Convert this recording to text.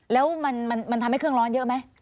แล้วมันทำให้เครื่องร้อนเยอะไหม